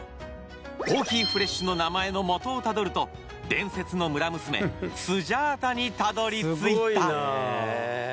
コーヒーフレッシュの名前のモトをタドルと伝説の村娘スジャータにたどり着いた。